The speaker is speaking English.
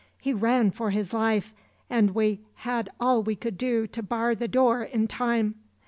He ran for his life, and we had all we could do to bar the door in time.